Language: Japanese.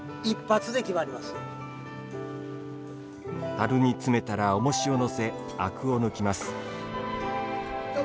たるに詰めたら、おもしを載せあくを抜きます。